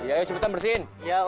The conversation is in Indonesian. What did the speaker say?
ayo cepat bersihkan